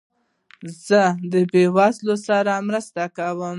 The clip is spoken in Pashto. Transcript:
زه د بېوزلو سره مرسته کوم.